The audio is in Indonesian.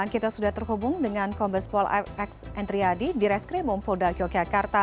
kita sudah terhubung dengan kombes pol x entriadi di reskrimum polda yogyakarta